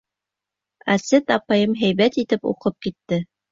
Асет апайым һәйбәт итеп уҡып китте.